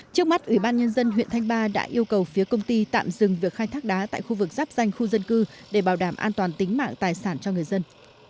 trước mắt ubnd huyện thanh ba đã yêu cầu phía công ty tạm dừng việc khai thác đá tại khu vực giáp danh khu dân cư để bảo đảm an toàn tính mạng tài sản cho người dân